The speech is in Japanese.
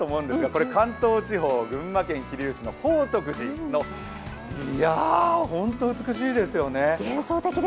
これ関東地方、群馬県桐生市の宝徳寺の、いや、本当に美しいですよね。